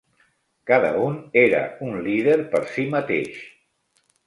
Cada un era un líder per sí mateix.